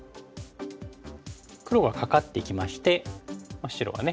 黒がカカってきまして白はね